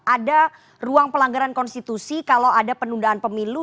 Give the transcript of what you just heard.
ada ruang pelanggaran konstitusi kalau ada penundaan pemilu